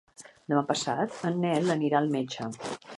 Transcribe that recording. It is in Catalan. Demà passat en Nel anirà al metge.